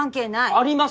あります。